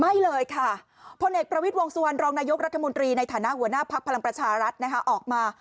ไม่เลยค่ะพลเอกประวิทย์วงสุวรรณรองนายกรัฐมนตรีในฐานะหัวหน้าภักดิ์พลังประชารัฐนะคะออกมา